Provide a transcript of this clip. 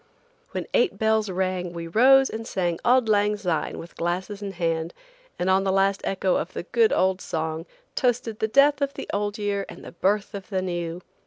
When eight bells rang we rose and sang Auld Lang Syne with glasses in hand, and on the last echo of the good old song toasted the death of the old year and the birth of the new.